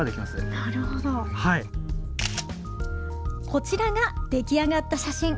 こちらが出来上がった写真。